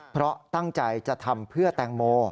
เพราะตั้งใจจะทำเพื่อแตงโม